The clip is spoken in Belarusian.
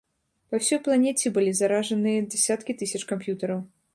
Па ўсёй планеце былі заражаныя дзясяткі тысяч камп'ютараў.